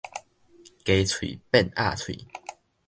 雞喙變鴨喙